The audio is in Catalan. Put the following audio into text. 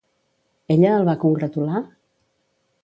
Ella el va congratular?